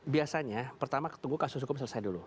biasanya pertama tunggu kasus hukum selesai dulu